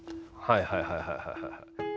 はいはいはいはい。